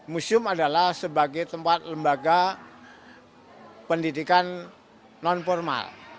museum adalah sebagai tempat lembaga pendidikan non formal